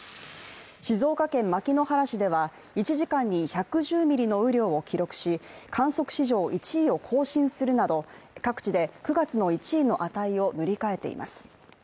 静岡県牧之原市では１時間に１１０ミリの雨量を記録し観測史上１位を更新するなど、各地で９月の１位の値を塗り替えています。